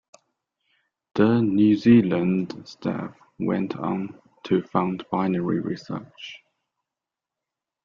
The New Zealand staff went on to found Binary Research.